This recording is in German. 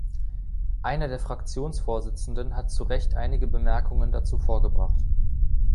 Einer der Fraktionsvorsitzenden hat zu Recht einige Bemerkungen dazu vorgebracht.